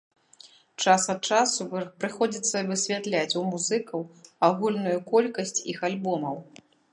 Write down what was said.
Час ад часу прыходзіцца высвятляць у музыкаў агульную колькасць іх альбомаў.